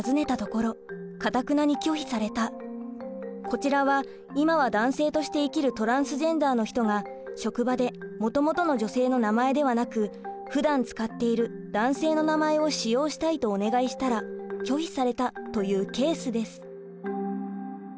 こちらは今は男性として生きるトランスジェンダーの人が職場でもともとの女性の名前ではなくふだん使っている男性の名前を使用したいとお願いしたら拒否されたというケースです。